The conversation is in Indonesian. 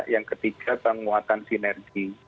yang ketiga penguatan sinergi